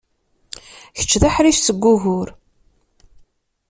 Kečč d aḥric seg ugur.